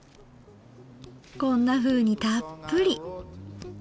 こんなふうにたっぷり。